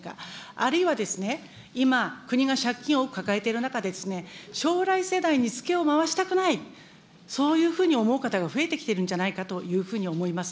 あるいは今、国が借金を抱えている中で将来世代につけを回したくない、そういうふうに思う方が増えてきてるんじゃないかというふうに思います。